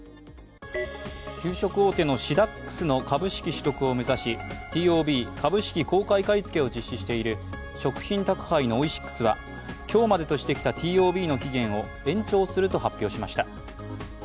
給食大手のシダックスの株式取得を目指し、ＴＯＢ＝株式公開買い付けを実施している食品宅配のオイシックスは今日までとしてきたＴＯＢの期限を延長すると発表しました。